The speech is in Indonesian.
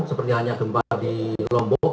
seperti hanya gempa di lombok